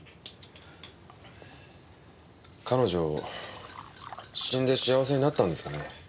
彼女死んで幸せになったんですかね？